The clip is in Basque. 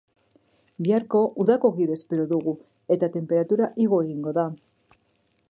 Biharko, udako giroa espero dugu, eta tenperatura igo egingo da.